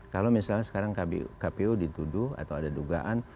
kalau misalnya sekarang kpu dituduh atau ada dugaan